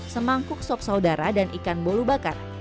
semangkuk sok saudara dan ikan bolu bakar